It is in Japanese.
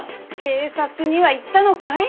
警察には言ったのかい？